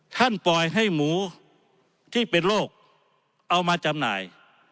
ปล่อยให้หมูที่เป็นโรคเอามาจำหน่าย